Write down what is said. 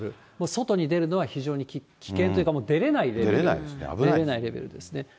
外に出るのは非常に危険というか、出れないレベル、出れないレベルですね。